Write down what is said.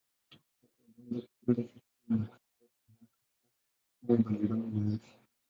Watu walianza kupinga serikali na kuchukua silaha katika sehemu mbalimbali za nchi.